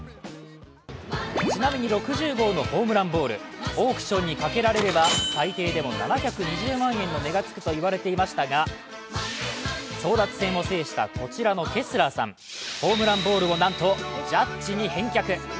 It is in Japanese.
ちなみに６０号のホームランボールオークションにかけられれば最低でも７２０万円の値がつくといわれていましたが争奪戦を制したこちらのケスラーさんホームランボールをなんとジャッジに返却。